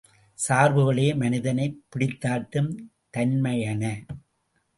சார்புகளே மனிதனைப் பிடித்தாட்டும் தன்மையன.